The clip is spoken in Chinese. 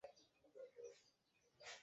石山棕为棕榈科石山棕属下的一个种。